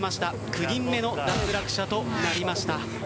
９人目の脱落者となりました。